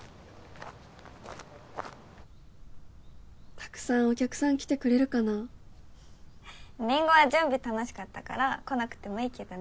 たくさんお客さん来てくれるかなりんごは準備楽しかったから来なくてもいいけどね